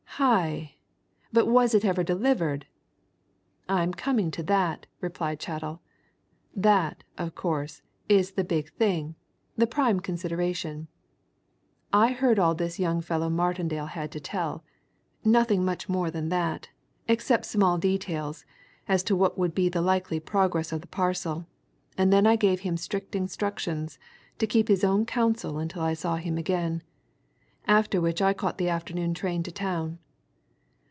"Aye! but was it ever delivered?" "I'm coming to that," replied Chettle. "That, of course, is the big thing the prime consideration. I heard all this young fellow Martindale had to tell nothing much more than that, except small details as to what would be the likely progress of the parcel, and then I gave him strict instructions to keep his own counsel until I saw him again after which I caught the afternoon train to town.